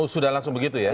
sudah langsung begitu ya